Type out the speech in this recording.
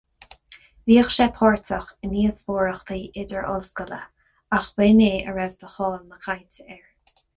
Bhíodh sé páirteach i ndíospóireachtaí idir-ollscoile ach ba shin é a raibh de cháil na cainte air.